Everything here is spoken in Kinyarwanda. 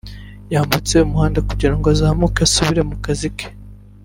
yambutse umuhanda kugirango azamuke asubira mu kazi ke